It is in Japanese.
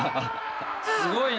すごいな。